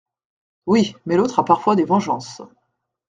Oui, mais l’autre a parfois des vengeances…